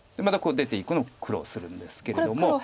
また出ていくの苦労するんですけれども。